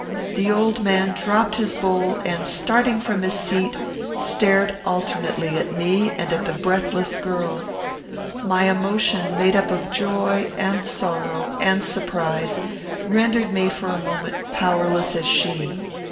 The old man dropped his bowl; and, starting from his seat, stared alternately at me and at the breathless girl. My emotion, made up of joy, and sorrow, and surprise, rendered me for a moment powerless as she.